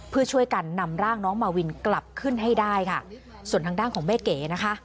เพื่อช่วยกันนำร่างน้องมาวินกลับขึ้นให้ได้ค่ะส่วนทางด้านของแม่เก๋นะคะ